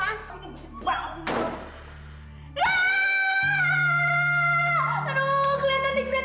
aduh keliatan nih keliatan